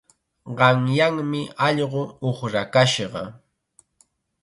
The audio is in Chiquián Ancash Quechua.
Qanyanmi allqu uqrakashqa.